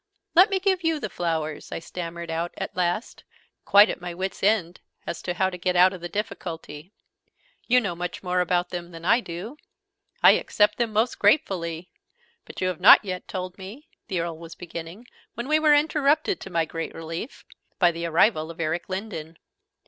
"Let me give you the flowers!" I stammered out at last, quite 'at my wit's end' as to how to get out of the difficulty. "You know much more about them than I do!" "I accept them most gratefully! But you have not yet told me " the Earl was beginning, when we were interrupted, to my great relief, by the arrival of Eric Lindon.